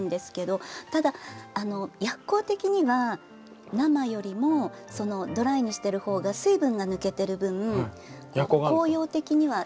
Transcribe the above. ただ薬効的には生よりもドライにしている方が水分が抜けてる分効用的には高くなるっていう。